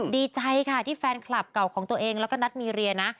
ดีใจค่ะที่แฟนคลับเก่าของตัวเองแล้วก็นัทมีเรียนะ